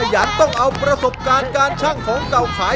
ยังต้องเอาประสบการณ์การช่างของเก่าขาย